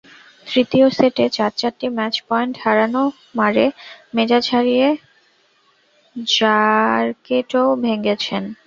তৃতীয় সেটে চার-চারটি match point হারানো মারে মেজাজ হারিয়ে র্যাকেটও ভেঙেছেন।